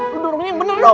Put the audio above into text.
lo dorongnya bener dong